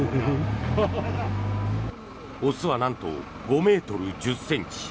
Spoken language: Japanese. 雄はなんと、５ｍ１０ｃｍ。